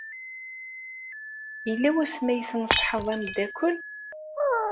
Yella wasmi ay tneṣḥeḍ ameddakel?